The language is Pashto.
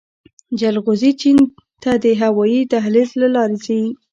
جلغوزي چین ته د هوايي دهلیز له لارې ځي